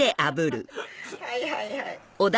はいはいはい。